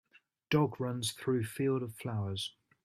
Dog runs through field of flowers